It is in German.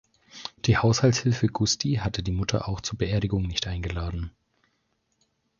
Die Haushaltshilfe Gusti hatte die Mutter auch zur Beerdigung nicht geladen.